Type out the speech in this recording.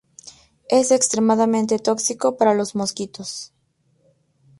Es extremadamente tóxico para los mosquitos.